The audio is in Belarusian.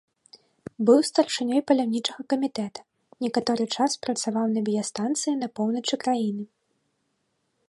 Быў старшынёй паляўнічага камітэта, некаторы час працаваў на біястанцыі на поўначы краіны.